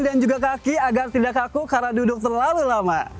dan juga kaki agar tidak kaku karena duduk terlalu lama